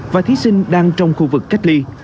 và thí sinh đang trong khu vực cách ly